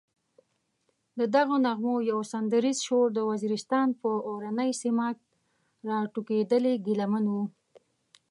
ددغو نغمو یو سندریز شور د وزیرستان پر اورنۍ سیمه راټوکېدلی ګیله من و.